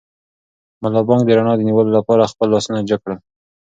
ملا بانګ د رڼا د نیولو لپاره خپل لاسونه جګ کړل.